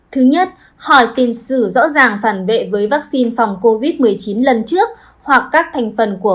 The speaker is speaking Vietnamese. thứ nhất hỏi tiền sử rõ ràng phản bệ với vaccine phòng covid một mươi chín lần trước hoặc các thành phần của